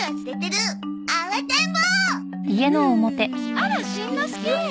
あらしんのすけ。